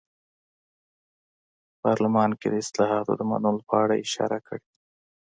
د پارلمان کې د اصلاحاتو د منلو په اړه یې اشاره کړې.